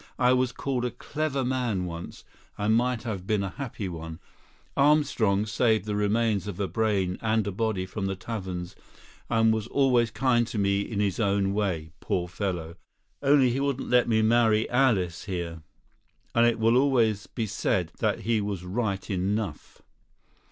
I was called a clever man once, and might have been a happy one; Armstrong saved the remains of a brain and body from the taverns, and was always kind to me in his own way, poor fellow! Only he wouldn't let me marry Alice here; and it will always be said that he was right enough.